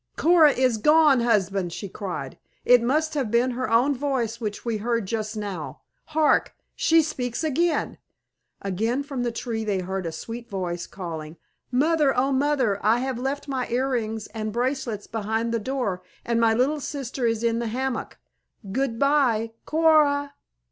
"Coora is gone, husband!" she cried. "It must have been her own voice which we heard just now. Hark! She speaks again!" Again from the tree they heard a sweet voice calling, "Mother, O Mother, I have left my earrings and bracelets behind the door and my little sister in the hammock. Good by, Coo o o ra!"